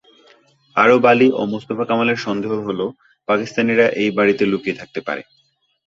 আরব আলী ও মোস্তফা কামালের সন্দেহ হলো, পাকিস্তানিরা ওই বাড়িতে লুকিয়ে থাকতে পারে।